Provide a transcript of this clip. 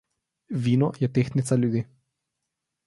Vino je tehtnica ljudi.